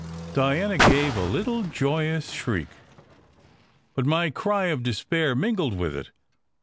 Diana gave a little joyous shriek, but my cry of despair mingled with it.